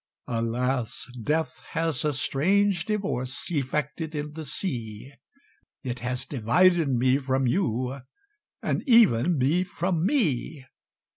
"Alas! death has a strange divorce Effected in the sea, It has divided me from you, And even me from me!